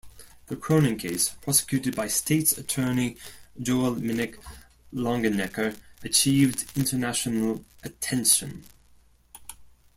The Cronin case, prosecuted by State's Attorney Joel Minnick Longenecker achieved international attention.